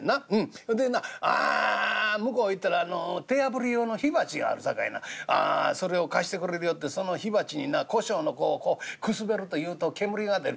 ほいでな向こうへ行ったらあの手焙り用の火鉢があるさかいなそれを貸してくれるよってその火鉢にな胡椒の粉をくすべるというと煙が出る。